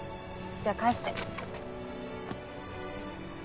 じゃあ返して。